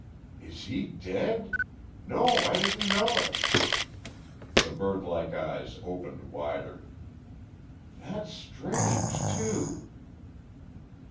"Is he dead? No, I didn't know it." The birdlike eyes opened wider. "That's strange too."